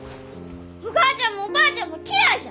お母ちゃんもおばあちゃんも嫌いじゃ！